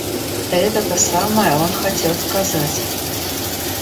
Это-то самое он хотел сказать.